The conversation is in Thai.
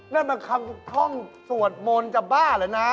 นั่นมีคำถ้องสวดมณฑ์จะบ้าเช่นหน้า